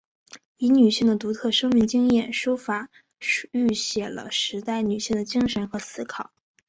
以女性的独特生命经验书法抒写了时代女性的精神和思考。